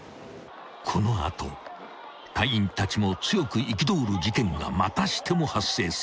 ［この後隊員たちも強く憤る事件がまたしても発生する］